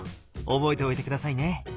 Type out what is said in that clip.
覚えておいて下さいね。